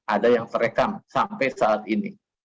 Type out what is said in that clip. ada yang terekam sampai saat ini